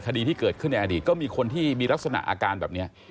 คดีที่เกิดขึ้นในอดีตก็มีคนที่มีลักษณะอาการแบบนี้